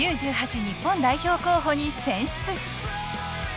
日本代表候補に選出。